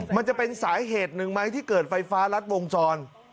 มันจะเป็นสาเหตุหนึ่งไหมที่เกิดไฟฟ้ารัดวงจร